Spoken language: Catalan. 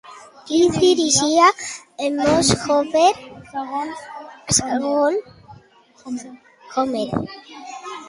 Qui dirigia el municipi segons Homer?